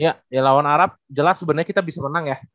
ya lawan arab jelas sebenarnya kita bisa menang ya